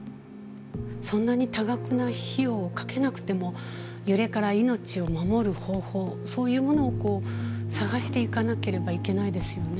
そんなに多額な費用をかけなくても揺れから命を守る方法そういうものを探していかなければいけないですよね。